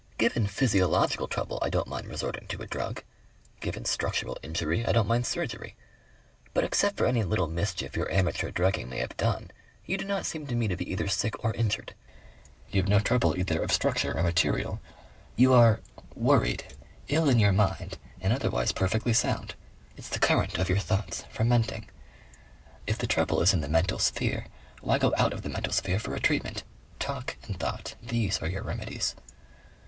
"Given physiological trouble I don't mind resorting to a drug. Given structural injury I don't mind surgery. But except for any little mischief your amateur drugging may have done you do not seem to me to be either sick or injured. You've no trouble either of structure or material. You are worried ill in your mind, and otherwise perfectly sound. It's the current of your thoughts, fermenting. If the trouble is in the mental sphere, why go out of the mental sphere for a treatment? Talk and thought; these are your remedies.